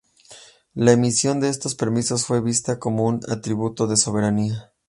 La emisión de estos permisos fue vista como un atributo de soberanía.